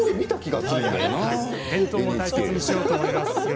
伝統も大切にしようと思います。